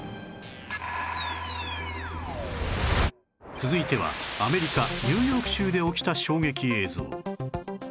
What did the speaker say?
続いてはアメリカニューヨーク州で起きた衝撃映像